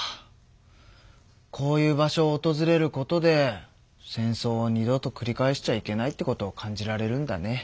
こういう場所をおとずれることで戦争を二度とくり返しちゃいけないってことを感じられるんだね。